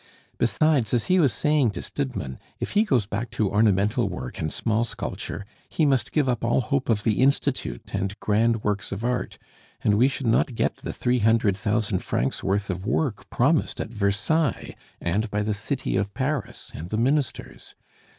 Besides, as he was saying to Stidmann, if he goes back to ornamental work and small sculpture, he must give up all hope of the Institute and grand works of art, and we should not get the three hundred thousand francs' worth of work promised at Versailles and by the City of Paris and the Ministers.